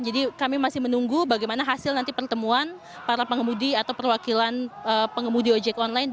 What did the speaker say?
jadi kami masih menunggu bagaimana hasil nanti pertemuan para pengemudi atau perwakilan pengemudi ojek online